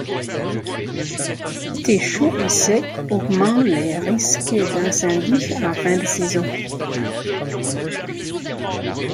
Les étés chauds et secs, augmentent les risques d'incendie en fin de saison.